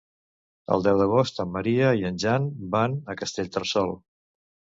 El deu d'agost en Maria i en Jan van a Castellterçol.